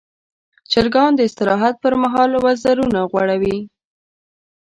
چرګان د استراحت پر مهال وزرونه غوړوي.